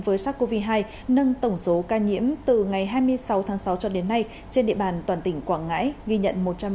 với sars cov hai nâng tổng số ca nhiễm từ ngày hai mươi sáu tháng sáu cho đến nay trên địa bàn toàn tỉnh quảng ngãi ghi nhận một trăm linh ca